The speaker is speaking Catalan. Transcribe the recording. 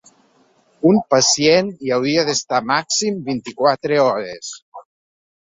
Un pacient hi hauria d’estar màxim vint-i-quatre hores.